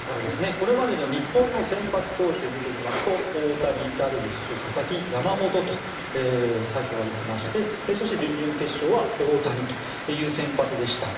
これまでの日本の先発投手を見てみますと大谷、ダルビッシュ佐々木、山本と最初はいきまして準々決勝は大谷という先発でした。